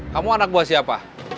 kamu anak buah siapa